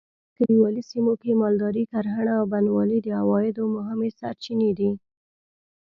په کلیوالي سیمو کې مالداري؛ کرهڼه او بڼوالي د عوایدو مهمې سرچینې دي.